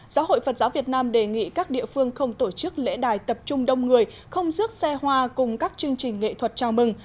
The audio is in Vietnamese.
giáo hội phật giáo việt nam đề nghị các địa phương không tổ chức lễ đài tập trung đông người không rước xe hoa cùng các chương trình nghệ thuật chào mừng